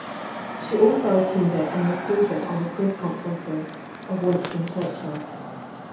She also attended and reported on the press conferences of Winston Churchill.